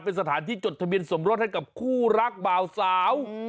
เป็นสถานที่จดทะเบียนสมรสให้กับคู่รักบ่าวสาว